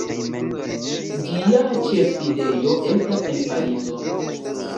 Ĝia ĉefsidejo estas en Parizo.